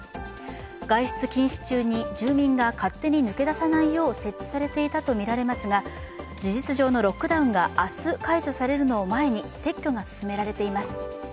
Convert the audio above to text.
外出禁止中に住民が勝手に抜け出さないよう設置されていたとみられますが、事実上のロックダウンが明日、解除されるのを前に撤去が進められています。